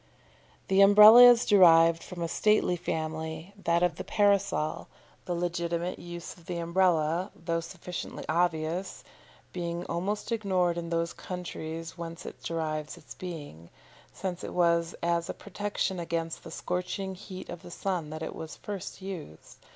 The Umbrella is derived from a stately family, that of the Parasol, the legitimate use of the Umbrella, though sufficiently obvious, being almost ignored in those countries whence it derives its being, since it was as a protection against the scorching heat of the sun that it was first used.